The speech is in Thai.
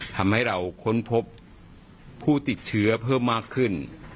ทำให้เราค้นพบผู้ติดเชื้อเพิ่มมากขึ้น